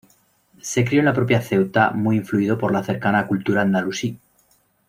Se crio en la propia Ceuta, muy influido por la cercana cultura andalusí.